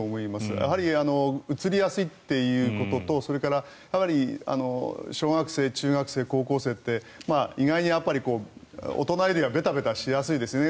やはりうつりやすいということとそれからかなり小学生、中学生高校生って意外に大人よりはベタベタしやすいですね。